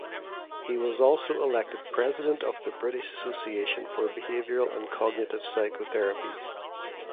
He was also elected President of the British Association for Behavioural and Cognitive Psychotherapies.